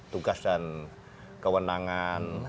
tugas dan kewenangan